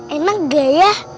emang gak ya